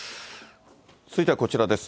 続いてはこちらです。